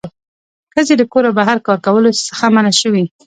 ښځې له کوره بهر کار کولو څخه منع شوې